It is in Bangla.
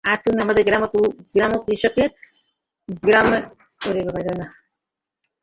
আর তুমি আমাদের গ্রামের পুরোনো কৃষকদের একজন।